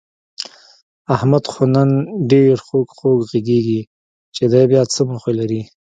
احمد خو نن ډېر خوږ خوږ کېږي، چې دی بیاڅه موخه لري؟